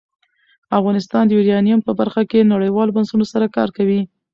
افغانستان د یورانیم په برخه کې نړیوالو بنسټونو سره کار کوي.